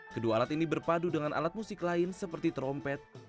kedua alat ini berpadu dengan alat musik lain seperti trompet